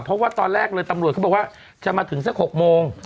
เพราะว่าตอนแรกเลยตำรวจเขาบอกว่าจะมาถึงสัก๖โมง